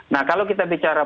nah kalau kita bicara